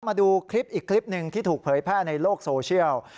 มาดูคลิปอีกคลิปหนึ่งที่ถูกเผยแพร่ในโลกโซเชียล